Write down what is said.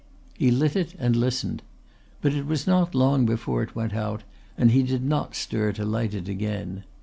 He lit it and listened. But it was not long before it went out and he did not stir to light it again.